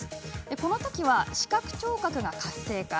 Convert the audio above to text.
このときは視覚、聴覚が活性化。